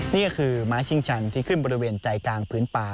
นี่ก็คือม้าชิงชันที่ขึ้นบริเวณใจกลางพื้นป่า